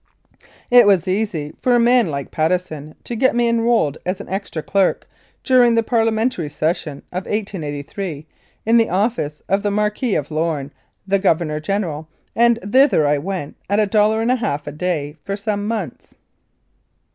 It was easy for a man like Patteson to get me enrolled as an extra clerk during the Parliamentary session of 1883' in the office of the Marquis of Lome, the Governor General, and thither I went at a dollar and a half a day for some months.